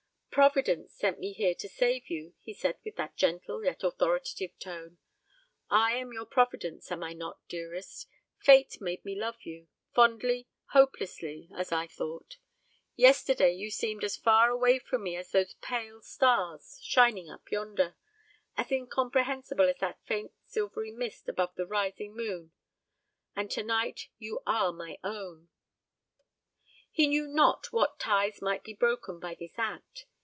"Providence sent me here to save you," he said, with that gentle yet authoritative tone; "I am your providence, am I not, dearest? Fate made me love you fondly, hopelessly, as I thought. Yesterday you seemed as far away from me as those pale stars, shining up yonder as incomprehensible as that faint silvery mist above the rising moon and to night you are my own." He knew not what ties might be broken by this act.